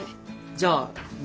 じゃあめ